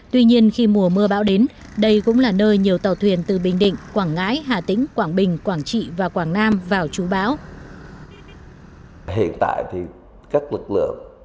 tuy nhiên khi mùa mưa bão đến đây cũng là nơi nhiều tàu thuyền từ bình định quảng ngãi hà tĩnh quảng bình quảng trị và quảng nam vào chú bão